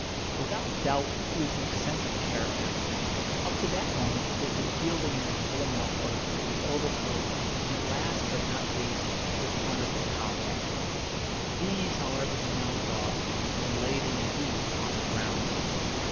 Without doubt he was an eccentric character. Up to that moment he had been fielding in his woollen muffler, his overcoat, and, last but not least, his wonderful top hat. These, however, he now doffed, and laid in a heap upon the ground.